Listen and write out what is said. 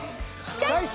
チョイス！